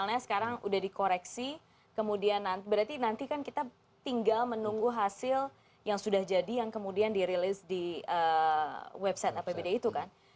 misalnya sekarang udah dikoreksi kemudian berarti nanti kan kita tinggal menunggu hasil yang sudah jadi yang kemudian dirilis di website apbd itu kan